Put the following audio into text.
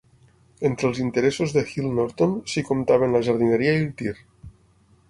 Entre els interessos de Hill-Norton s'hi comptaven la jardineria i el tir.